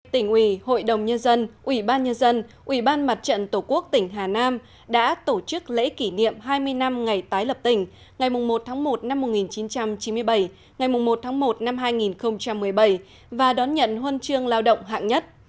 tỉnh ủy hội đồng nhân dân ủy ban nhân dân ủy ban mặt trận tổ quốc tỉnh hà nam đã tổ chức lễ kỷ niệm hai mươi năm ngày tái lập tỉnh ngày một tháng một năm một nghìn chín trăm chín mươi bảy ngày một tháng một năm hai nghìn một mươi bảy và đón nhận huân chương lao động hạng nhất